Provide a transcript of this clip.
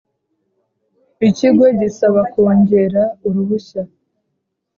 ikigo gisaba kongera uruhushya